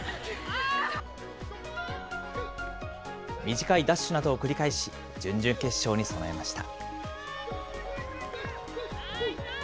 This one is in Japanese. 短いダッシュなどを繰り返し、準々決勝に備えました。